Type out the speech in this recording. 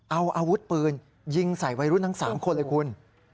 เอาอาวุธปืนยิงใส่วัยรุ่นทั้ง๓คนเลยคุณ